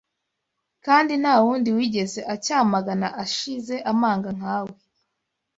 kandi nta wundi wigeze acyamagana ashize amanga nka we